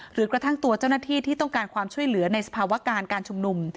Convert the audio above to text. หรือกระทั่งตัวเจ้าหน้าที่ที่ต้องการความช่วยเหลือในสภาวะการการชุมนุม